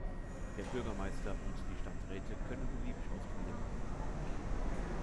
Der Bürgermeister und die Stadträte können beliebig oft wiedergewählt werden.